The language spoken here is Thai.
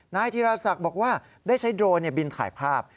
นายธีรศักดิ์บอกว่าได้ใช้โดรนบินถ่ายภาพ